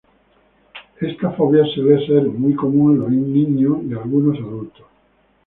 Esta fobia suele ser muy común en los niños y algunos adultos.